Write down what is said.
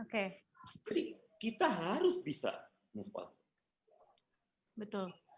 jadi kita harus bisa move on